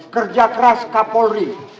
kerja keras kapolri